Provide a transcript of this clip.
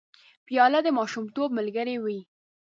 پیاله د ماشومتوب ملګرې وي.